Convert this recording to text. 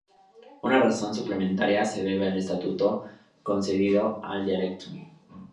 Una razón suplementaria se debe al estatuto concedido al dialecto.